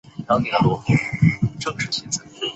邦奥埃。